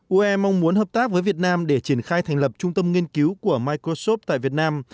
ue mong muốn hợp tác với việt nam để triển khai thành lập trung tâm nghiên cứu của microsoft tại việt nam